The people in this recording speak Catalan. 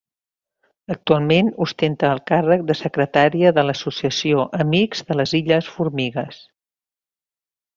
Actualment ostenta el càrrec de secretària de l'associació Amics de les Illes Formigues.